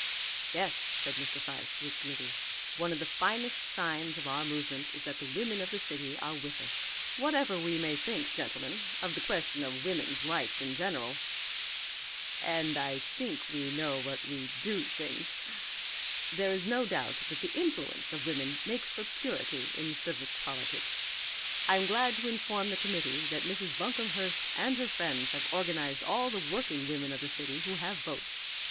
"Yes," said Mr. Fyshe to his committee, "one of the finest signs of our movement is that the women of the city are with us. Whatever we may think, gentlemen, of the question of woman's rights in general and I think we know what we do think there is no doubt that the influence of women makes for purity in civic politics. I am glad to inform the committee that Mrs. Buncomhearst and her friends have organized all the working women of the city who have votes.